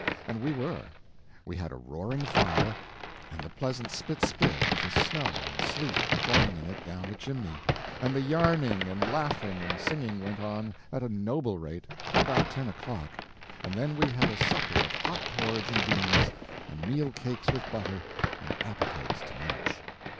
And we were. We had a roaring fire, and the pleasant spit spit of the snow and sleet falling in it down the chimney, and the yarning and laughing and singing went on at a noble rate till about ten o'clock, and then we had a supper of hot porridge and beans, and meal cakes with butter, and appetites to match.